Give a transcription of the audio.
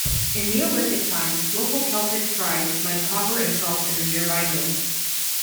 In Neolithic times local Celtic tribes mined copper and salt in the nearby hills.